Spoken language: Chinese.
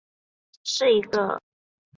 是一个真三国无双系列的砍杀游戏。